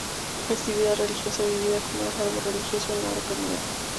Festividad religiosa vivida con gran fervor religioso en la localidad.